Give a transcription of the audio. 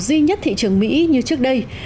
duy nhất thị trường mỹ như trước đây